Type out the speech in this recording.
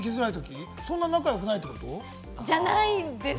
そんな仲良くないってこと？じゃないんです。